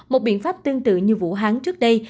một biện pháp tương tự như vũ hán trước đây